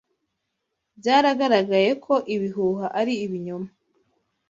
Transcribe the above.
Byaragaragaye ko ibihuha ari ibinyoma